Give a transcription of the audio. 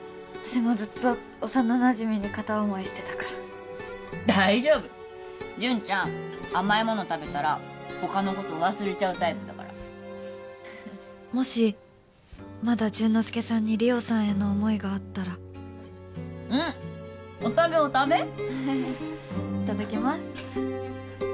私もずっと幼なじみに片思いしてたから大丈夫ジュンちゃん甘いもの食べたら他のこと忘れちゃうタイプだからもしまだ潤之介さんに理緒さんへの思いがあったらうんお食べお食べいただきます